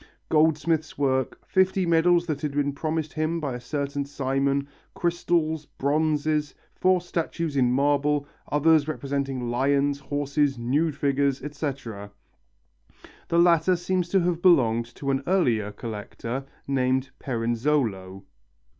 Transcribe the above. goldsmiths' work, fifty medals that had been promised him by a certain Simon, crystals, bronzes, four statues in marble, others representing lions, horses, nude figures, etc. The latter seem to have belonged to an earlier collector named Perenzolo.